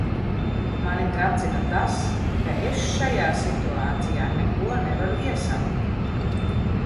Mani tracina tas, ka es šajā situācijā neko nevaru iesākt.